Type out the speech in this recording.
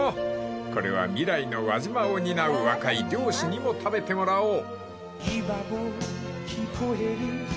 ［これは未来の輪島を担う若い漁師にも食べてもらおう］